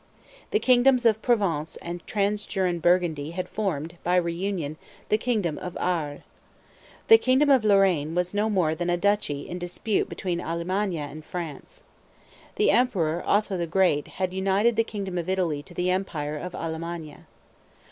The kingdoms of Provence and Trans juran Burgundy had formed, by re union, the kingdom of Arles. The kingdom of Lorraine was no more than a duchy in dispute between Allemannia and France. The Emperor Otho the Great had united the kingdom of Italy to the empire of. Allemannia.